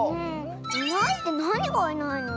いないってなにがいないの？